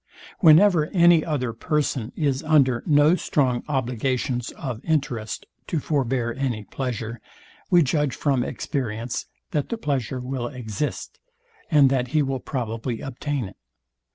Whenever any other person is under no strong obligations of interest to forbear any pleasure, we judge from experience, that the pleasure will exist, and that he will probably obtain it.